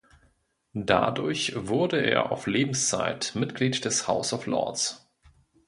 Dadurch wurde er auf Lebenszeit Mitglied des House of Lords.